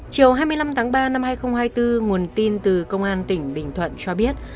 chiều hai mươi năm tháng ba năm hai nghìn hai mươi bốn nguồn tin từ công an tỉnh bình thuận cho biết